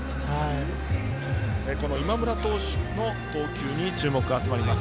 今村投手の投球に注目が集まります。